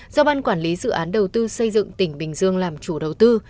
do ban quản lý dự án đầu tư xây dựng tỉnh bình dương làm chủ đầu tư